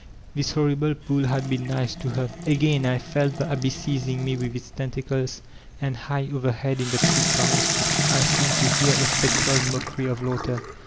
This horrible pool had been ''nice" to her I Again I felt the abyss seizing me widi its tentacles, and high overhead in the tree crowns I seemed to hear a spectral mockery of hughter.